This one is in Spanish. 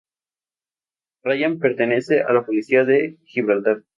Ryan pertenece a la policía de Gibraltar.